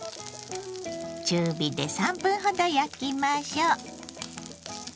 中火で３分ほど焼きましょう。